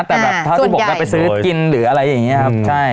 แต่แบบถ้าทุกคนไปซื้อกินหรืออะไรอย่างเงี้ยครับใช่